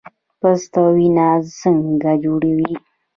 پسته وینه څنګه جوړوي؟